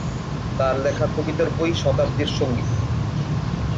তার লেখা কবিতার বই "শতাব্দীর সঙ্গীত"।